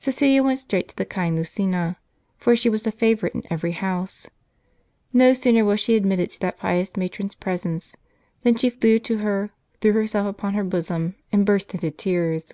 Caecilia went straight to the kind Lucina, for she was a favorite in every house. No sooner was she admitted to that pious matron's presence, than she flew to her, threw herself upon her bosom, and burst into tears.